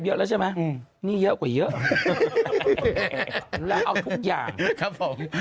เยอะแล้วใช่ไหมนี่เยอะกว่าเยอะแล้วเอาทุกอย่างครับผม